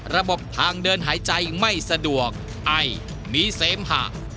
ระบบทางเดินหายใจไม่สะดวกไอมีเสมหะ